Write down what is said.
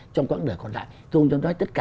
trong quãng đời còn lại